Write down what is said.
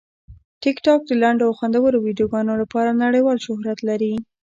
ټیکټاک د لنډو او خوندورو ویډیوګانو لپاره نړیوال شهرت لري.